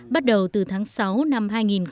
bắt đầu từ tháng sáu năm hai nghìn một mươi chín